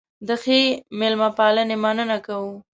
د ښې مېلمه پالنې مننه کوو.